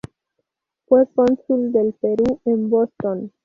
Fue Cónsul del Perú en Boston.